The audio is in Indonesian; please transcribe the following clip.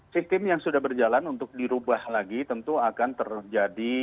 sistem yang sudah berjalan untuk dirubah lagi tentu akan terjadi